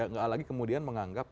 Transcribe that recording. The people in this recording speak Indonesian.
gak lagi kemudian menganggap